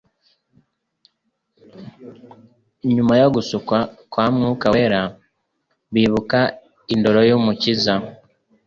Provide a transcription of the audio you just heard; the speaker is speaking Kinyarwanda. Nyuma yo gusukwa kwa Mwuka Wera, bibuka indoro y’Umukiza,